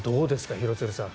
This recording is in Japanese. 廣津留さん。